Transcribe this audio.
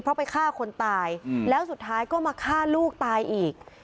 เพราะไปฆ่าคนตายแล้วสุดท้ายก็มาฆ่าลูกตายอีก